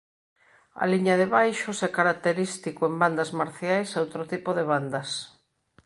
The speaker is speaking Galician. A liña de baixos é característico en bandas marciais e outro tipo bandas.